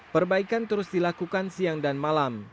perbaikan terus dilakukan siang dan malam